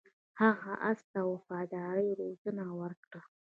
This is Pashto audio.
هغه اس ته د وفادارۍ روزنه ورکړه.